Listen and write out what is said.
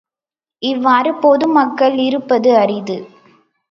இவ்வாறு பொது மக்கள் இருப்பது அரிது.